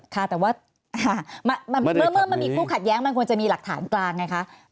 ค่ะแต่ว่าเมื่อมันมีคู่ขัดแย้งมันควรจะมีหลักฐานกลางไงคะ